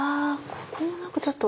ここも何かちょっと。